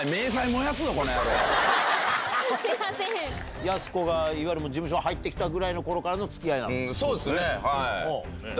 やす子がいわゆる事務所に入ってきたぐらいのころからのつきあいなんですか。